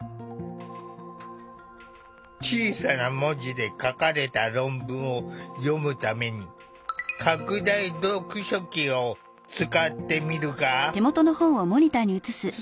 小さな文字で書かれた論文を読むために拡大読書器を使ってみるが。